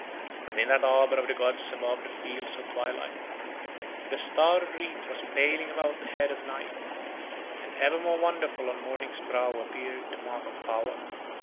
But in that arbour of the gods above the fields of twilight the star wreath was paling about the head of Night, and ever more wonderful on Morning's brow appeared the mark of power.